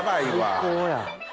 最高や。